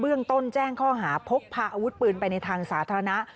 เรื่องต้นแจ้งข้อหาพกพาอาวุธปืนไปในทางสาธารณะ